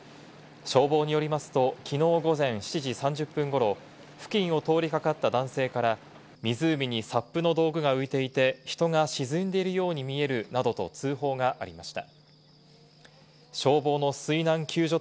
消防によりますと、きのう午前７時３０分ごろ、付近を通りかかった男性から、湖にサップの道具が浮いていて、人が沈んでいるように見えるなどと通報がありました。